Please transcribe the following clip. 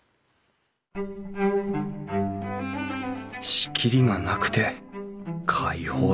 仕切りがなくて開放的だ。